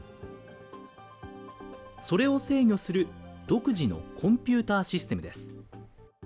それを制御する独自のコンピューターシステムです。